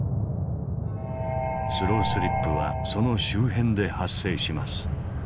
スロースリップはその周辺で発生します。